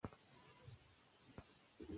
افغانان تر دښمن زیات زړور وو.